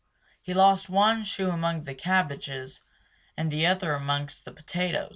He lost one shoe among the cabbages, and the other amongst the potatoes.